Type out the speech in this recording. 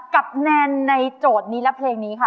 แนนในโจทย์นี้และเพลงนี้ค่ะ